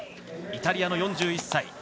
イタリアの４１歳